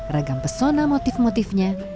ragam pesona motif motifnya